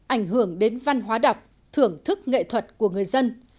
ảnh hưởng đến văn hóa đọc thưởng thức nghệ thuật của người dân